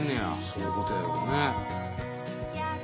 そういうことやろね。